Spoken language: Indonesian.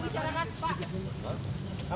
pak ada bicara pak